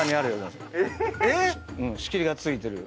えっ⁉仕切りが付いてる。